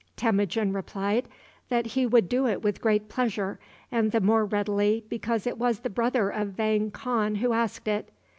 Temujin replied that he would do it with great pleasure, and the more readily because it was the brother of Vang Khan who asked it.